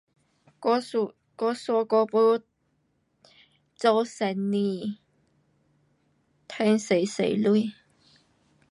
我想，我想讲要做生意，赚多多钱。